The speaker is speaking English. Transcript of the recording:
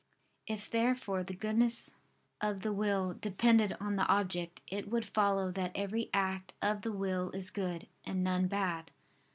If therefore the goodness of the will depended on the object, it would follow that every act of the will is good, and none bad.